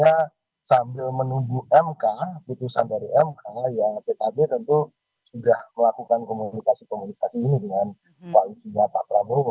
karena sambil menunggu mk putusan dari mk ya pkb tentu sudah melakukan komunikasi komunikasi ini dengan koalisinya pak prabowo